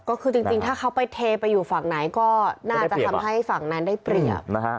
ก็คือจริงถ้าเขาไปเทไปอยู่ฝั่งไหนก็น่าจะทำให้ฝั่งนั้นได้เปรียบ